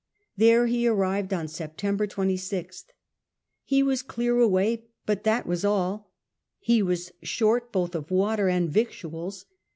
There he arrived on September 26th. He was clear away, but that was all. He was short both of water and victuals.